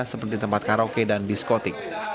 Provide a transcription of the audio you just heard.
seperti tempat karaoke dan diskotik